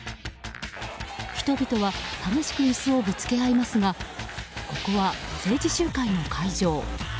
人々は激しく椅子をぶつけ合いますがここは政治集会の会場。